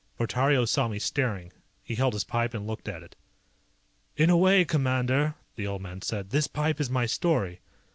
Portario saw me staring. He held his pipe and looked at it. "In a way, Commander," the old man said, "this pipe is my story.